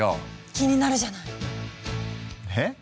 気になるじゃない！え？